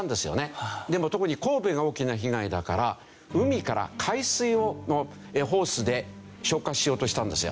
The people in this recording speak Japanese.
でも特に神戸が大きな被害だから海から海水をホースで消火しようとしたんですよ。